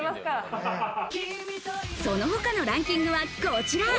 その他のランキングはこちら。